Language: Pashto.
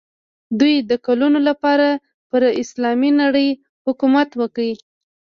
دوی د کلونو لپاره پر اسلامي نړۍ حکومت وکړ.